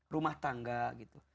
rumah tangga gitu